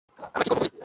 আমরা কী করবো, বলি।